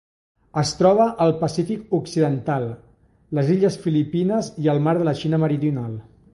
Es troba al Pacífic occidental: les illes Filipines i el mar de la Xina Meridional.